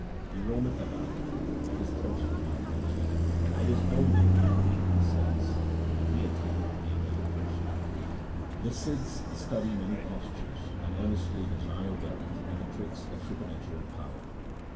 He roameth about, but his thirst is not quenched ; it is only when he meeteth the saints that he attaineth the abode of mercy. The Sidhs study many postures and earnestly desire wealth and the tricks of supernatural power.